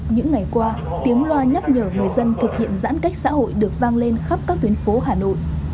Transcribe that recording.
những ngày qua tiếng loa nhắc nhở người dân thực hiện giãn cách xã hội được vang lên khắp các tuyến phố hà nội